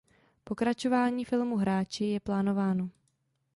Pokračování filmu "Hráči" je plánováno.